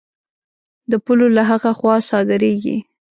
د پولو له هغه خوا صادرېږي.